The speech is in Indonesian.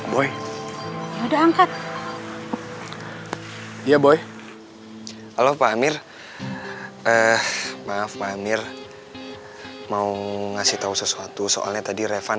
boy udah angkat ya boyo pak amir maaf pak amir mau ngasih tahu sesuatu soalnya tadi revan